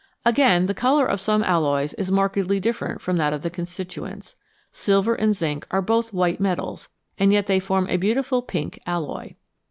Again, the colour of some alloys is markedly different from that of the constituents. Silver and zinc are both white metals, and yet they form a beautiful pink alloy.